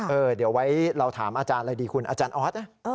เออเดี๋ยวไว้เราถามอาจารย์อะไรดีคุณอาจารย์ออสนะ